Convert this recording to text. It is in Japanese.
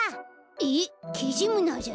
えっキジムナーじゃないの？